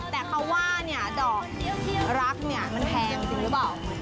แต่พอว่าดอกรักมันแพงจริงหรือเปล่า